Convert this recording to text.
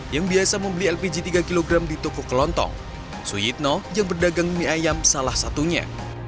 yang biasa membeli lpg tiga kg di toko kelontong suyitno yang berdagang mie ayam salah satunya